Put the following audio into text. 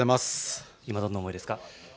今、どんな思いですか？